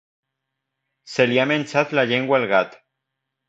Se li ha menjat la llengua el gat.